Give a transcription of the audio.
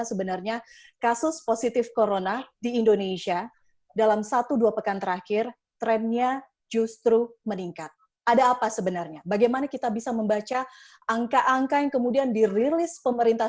sehat selalu juga mbak elvira